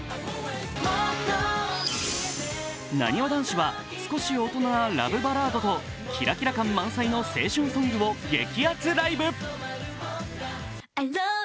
なにわ男子は少し大人なラブバラードとキラキラ感満載の青春ソングを激アツライブ。